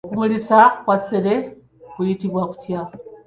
Okumulisa kwa ssere kuyitibwa kutya?